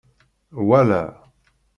Wala!